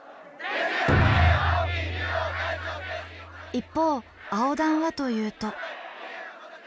一方蒼団はというと。